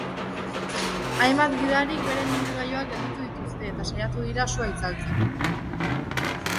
Hainbat gidarik beren ibilgailuak gelditu dituzte eta saiatu dira sua itzaltzen.